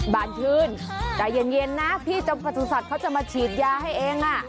บานชื่นแต่เย็นเย็นนะพี่จมกระจุศัตริย์เขาจะมาฉีดยาให้เองอ่ะ